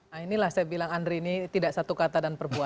nah inilah saya bilang andri ini tidak satu kata dan perbuatan